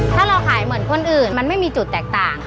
ถ้าเราขายเหมือนคนอื่นมันไม่มีจุดแตกต่าง